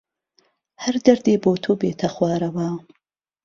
هەر دەردێ بۆ تۆ بێتە خوارەوە